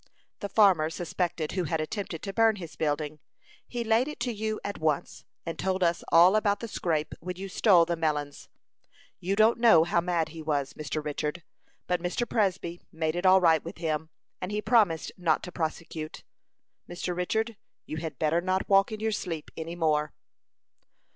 The farmer suspected who had attempted to burn his building; he laid it to you at once, and told us all about the scrape when you stole the melons. You don't know how mad he was, Mr. Richard. But Mr. Presby made it all right with him, and he promised not to prosecute. Mr. Richard, you had better not walk in your sleep any more."